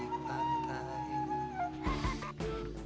aku jatuh cinta lagi